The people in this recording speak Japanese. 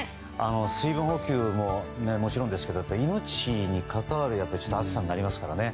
水分補給ももちろんですけど命に関わる暑さになりますからね。